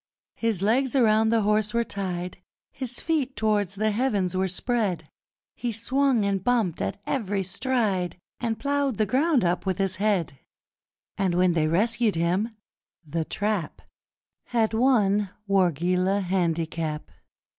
His legs around the horse were tied, His feet towards the heavens were spread, He swung and bumped at every stride And ploughed the ground up with his head! And when they rescued him, The Trap Had won Wargeilah Handicap!